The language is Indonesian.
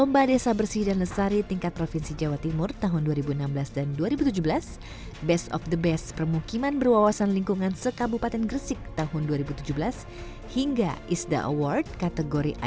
berita tersebut dari kepala keluarga desa daudo